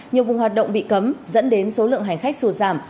nhiều vùng hoạt động bị cấm dẫn đến số lượng hành khách sụt giảm